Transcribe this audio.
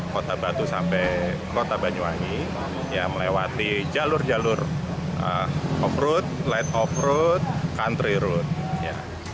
kota batu sampai kota banyuwangi yang melewati jalur jalur of route light of route country route